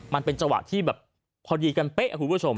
มันเป็นจวาดที่พอดีกันเป๊ะครับคุณผู้ชม